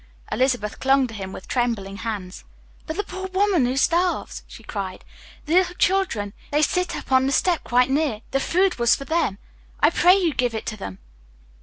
Elizabeth clung to him with trembling hands. "But the poor woman who starves?" she cried. "The little children they sit up on the step quite near the food was for them! I pray you give it to them."